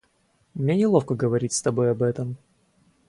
Мне неловко говорить с тобой об этом.